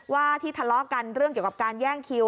ว่าที่ทะเลาะกันเรื่องเกี่ยวกับการแย่งคิว